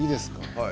はい。